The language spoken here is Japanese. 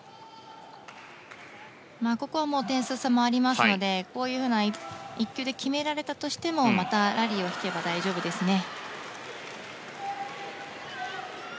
ここは点数差もあるので１球で決められたとしてもまたラリーをひけば大丈夫ですね。